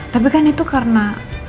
tapi kan itu karena